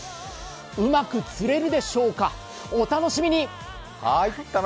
うまく釣れるでしょうかお楽しみに。